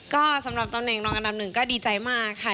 ก็สำหรับตำแหน่งรองอันดับหนึ่งก็ดีใจมากค่ะ